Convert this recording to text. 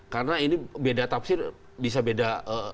karena ini beda tafsir bisa beda